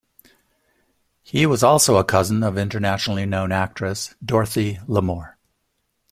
He was also a cousin of internationally known actress Dorothy Lamour.